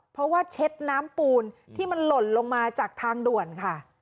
เพราะว่าเช็ดน้ำปูนที่มันหล่นลงมาจากทางด่วนค่ะ